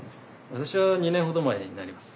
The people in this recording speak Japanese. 私は２年ほど前になります。